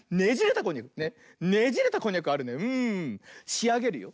しあげるよ。